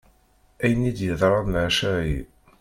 Ayen i d-yeḍran leɛca-ayi.